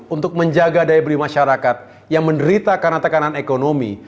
untuk menjaga daya beli masyarakat yang menderita karena tekanan ekonomi